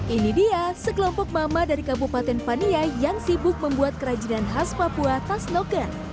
ini dia sekelompok mama dari kabupaten pania yang sibuk membuat kerajinan khas papua tas noken